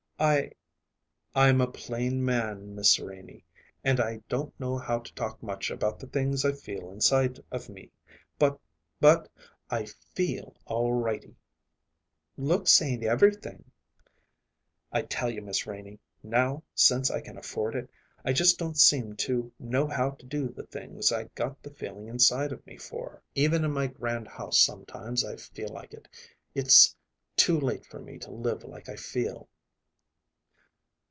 "I " "I'm a plain man, Miss Renie, and I don't know how to talk much about the things I feel inside of me; but but I feel, all righty." "Looks ain't everything." "I tell you, Miss Renie, now since I can afford it, I just don't seem to know how to do the things I got the feeling inside of me for. Even in my grand house sometimes I feel like it it's too late for me to live like I feel."